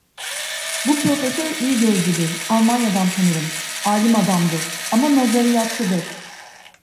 Bu profesör iyi gözcüdür. Almanya'dan tanırım. Alim adamdır. Ama nazariyatçıdır.